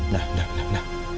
nah nah nah nah